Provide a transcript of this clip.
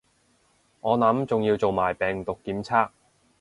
我諗仲要做埋病毒檢測